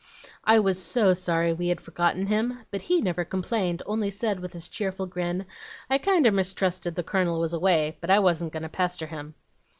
"I was SO sorry we had forgotten him! but HE never complained, only said, with his cheerful grin,' I kinder mistrusted the Colonel was away, but I wasn't goin' to pester him.'